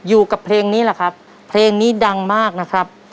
อยู่กับเพลงนี้แหละครับเพลงนี้ดังมากนะครับ